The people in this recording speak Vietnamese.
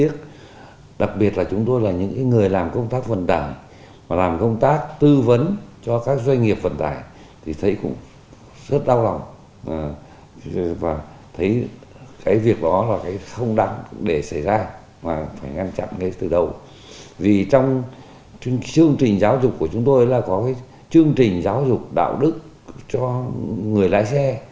chương trình giáo dục của chúng tôi là có chương trình giáo dục đạo đức cho người lái xe